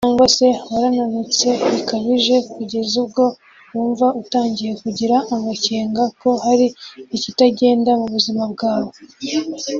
Cyangwa se warananutse bikabije kugeza ubwo wumva utangiye kugira amakenga ko hari ikitagenda mu buzima bwawe